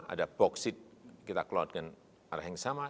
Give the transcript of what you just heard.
ada boksit kita kelola dengan cara yang sama